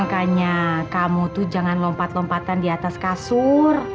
makanya kamu tuh jangan lompat lompatan di atas kasur